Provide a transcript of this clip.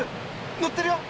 乗ってるよ！